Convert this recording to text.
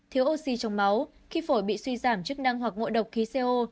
thiếu oxy trong máu khi phổi bị suy giảm chức năng hoặc ngội độc khí co